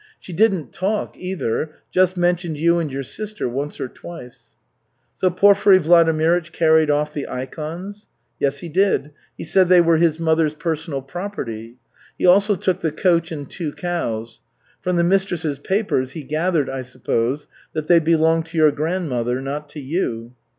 She didn't talk either, just mentioned you and your sister once or twice." "So Porfiry Vladimirych carried off the ikons?" "Yes, he did. He said they were his mother's personal property. He also took the coach and two cows. From the mistress's papers he gathered, I suppose, that they belonged to your grandmother, not to you.